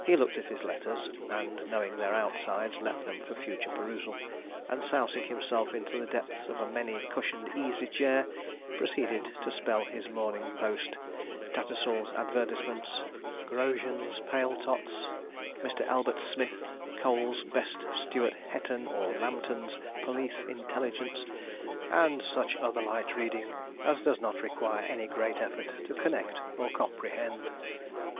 He looked at his letters, and knowing their outsides, left them for future perusal, and sousing himself into the depths of a many cushioned easy chair, proceeded to spell his Morning Post Tattersall's advertisements 'Grosjean's Pale tots' 'Mr. Albert Smith' 'Coals, best Stewart Hetton or Lambton's' 'Police Intelligence,' and such other light reading as does not require any great effort to connect or comprehend.